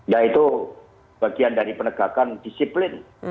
nah itu bagian dari penegakan disiplin